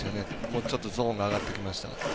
もうちょっとゾーンが上がってきました。